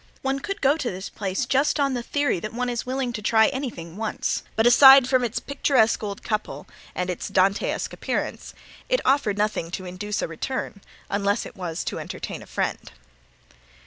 One could go to this place just on the theory that one is willing to try anything once, but aside from its picturesque old couple, and its Dantesque appearance, it offered nothing to induce a return unless it was to entertain a friend.